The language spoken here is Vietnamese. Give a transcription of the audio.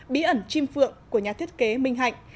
bí ẩn chim phượng của nhà thiết kế minh hạnh